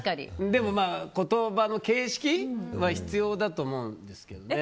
でも、言葉の形式は必要だとは思うんですけどね。